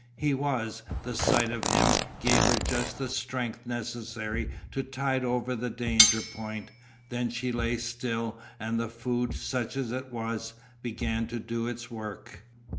He was. The sight of him gave her just the strength necessary to tide over the danger point; then she lay still and the food, such as it was, began to do its work.